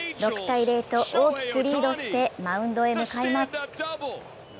６−０と大きくリードしてマウンドへ向かいます。